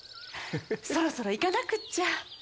そろそろ行かなくっちゃ。